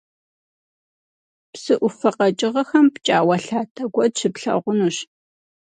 Псы Ӏуфэ къэкӀыгъэхэм пкӀауэлъатэ куэд щыплъагъунущ.